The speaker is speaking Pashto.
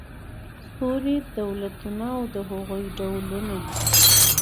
ستوري دولتونه او د هغوی ډولونه